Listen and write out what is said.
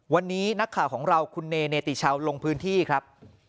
วันนี้นักข่าวของเราคุณเนติชาวลงพื้นที่ครับ